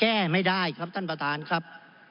แก้ไม่ได้ครับท่านประธานครับ